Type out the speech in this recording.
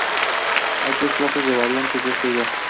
Hay tres clases de variantes de esta idea.